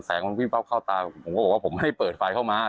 แสงมันวิบับเข้าตาผมก็บอกว่าผมไม่ได้เปิดไฟเข้ามา